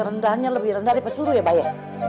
rendahnya lebih rendah dari pesuru ya baye